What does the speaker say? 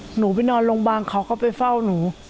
หนูไปนอนโรงพยาบาลเขาก็ไปเฝ้าหนู